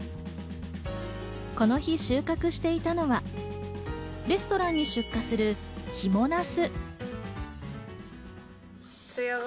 この日収穫していたのはレストランへ出荷するヒモナス。